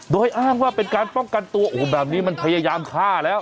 โดยอ้างว่าเป็นการป้องกันตัวโอ้โหแบบนี้มันพยายามฆ่าแล้ว